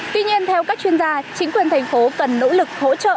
tuy nhiên theo các chuyên gia chính quyền thành phố cần nỗ lực hỗ trợ